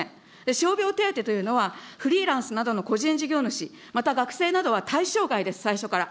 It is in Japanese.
傷病手当というのはフリーランスなどの個人事業主、また学生などは対象外です、最初から。